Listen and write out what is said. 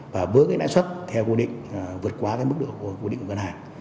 và với nãi xuất theo vô định vượt qua mức độ của vô định của ngân hàng